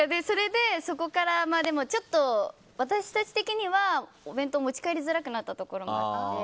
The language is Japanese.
でも、そこからちょっと私たち的にはお弁当を持ち帰りづらくなったところもあって。